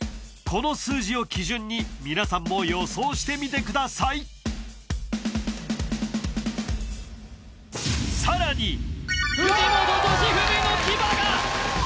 この数字を基準に皆さんも予想してみてください藤本敏史の牙が！